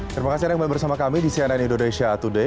terima kasih anda kembali bersama kami di cnn indonesia today